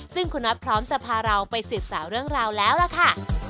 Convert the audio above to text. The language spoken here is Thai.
ซึ่งคุณน็อตพร้อมจะพาเราไปสืบสาวเรื่องราวแล้วล่ะค่ะ